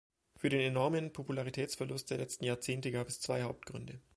Für den enormen Popularitätsverlust der letzten Jahrzehnte gab es zwei Hauptgründe.